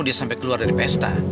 dia sampai keluar dari pesta